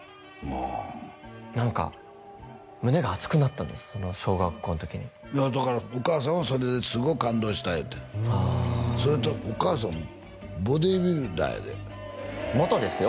あ何か胸が熱くなったんです小学校の時にいやだからお母さんはそれですごい感動したんやてそれとお母さんボディビルダーやで元ですよ